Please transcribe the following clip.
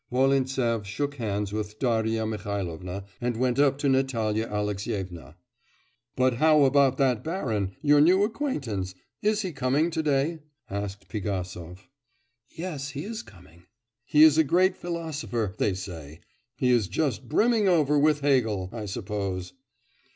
Volintsev shook hands with Darya Mihailovna and went up to Natalya Alexyevna. 'But how about that baron, your new acquaintance, is he coming to day?' asked Pigasov. 'Yes, he is coming.' 'He is a great philosopher, they say; he is just brimming over with Hegel, I suppose?